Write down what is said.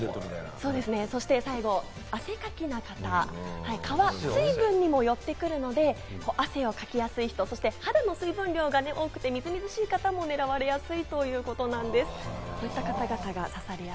最後は汗かきな方、蚊は水分にもよってくるので、汗をかきやすい人、そして肌の水分量が多くて、みずみずしい方も狙われやすいということなんです。